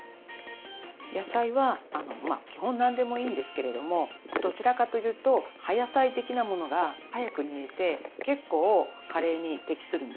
野菜は基本何でもいいんですけれどもどちらかというと葉野菜的なものが早く煮えて結構カレーに適するんですよね。